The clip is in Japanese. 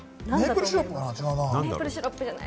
メープルシロップかな？